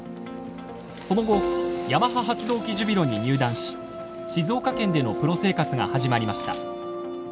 その後ヤマハ発動機ジュビロに入団し静岡県でのプロ生活が始まりました。